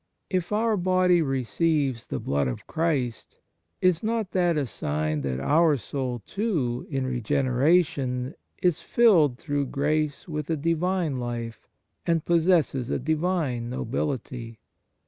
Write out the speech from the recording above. If our body receives the Blood of Christ, is not that a sign that our soul, too, in regeneration is filled through grace with a Divine life and possesses a Divine nobility